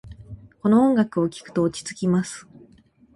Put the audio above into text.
この音楽を聴くと落ち着きます。